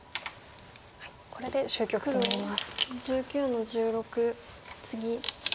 これで終局となります。